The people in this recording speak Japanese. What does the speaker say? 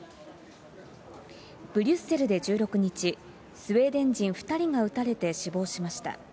ブリュッセルで１６日、スウェーデン人２人が撃たれて死亡しました。